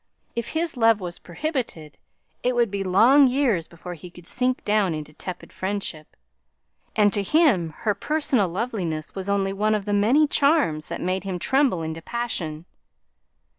If his love was prohibited, it would be long years before he could sink down into tepid friendship; and to him her personal loveliness was only one of the many charms that made him tremble into passion.